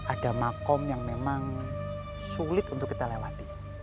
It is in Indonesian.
ada makom yang memang sulit untuk kita lewati